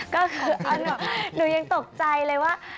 ก็คือหนูยังตกใจเลยว่า